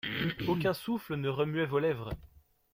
Aucun souffle ne remuait vos lèvres.